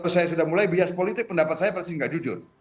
saya bias politik pendapat saya pasti tidak jujur